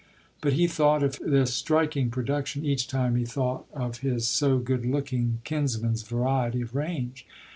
But he thought of this striking production each time he thought of his so good looking kinsman's variety of range.